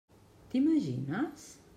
T'imagines?